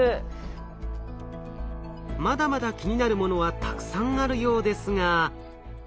まだまだ気になるものはたくさんあるようですが。